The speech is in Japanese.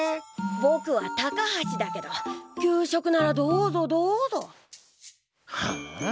ぼくは高橋だけど給食ならどうぞどうぞ。はあ？